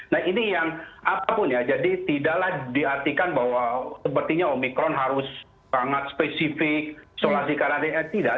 nah ini yang apapun ya jadi tidaklah diartikan bahwa sepertinya omikron harus sangat spesifik isolasi karantina tidak